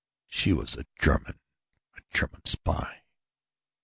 She was German a German spy.